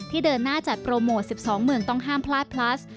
เดินหน้าจัดโปรโมท๑๒เมืองต้องห้ามพลาดพลัส